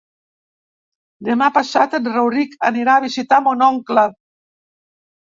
Demà passat en Rauric anirà a visitar mon oncle.